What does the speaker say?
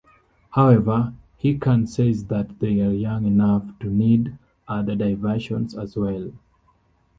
However, Hircan says that they are young enough to need other diversions as well.